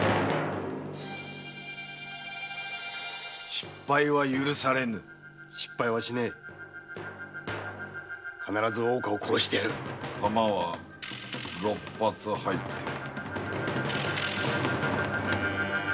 失敗は許されぬ失敗はしねぇ必ず大岡を殺してやる弾は六発入っている。